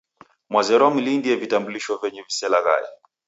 Mwazerwa mlindie vitambulisho venyu viselaghae